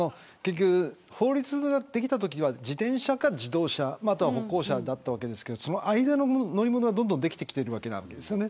法律ができたときは自転車か自動車歩行者だったわけですがその間の乗り物がどんどんできているわけですね。